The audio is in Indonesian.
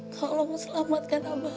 tolong selamatkan abah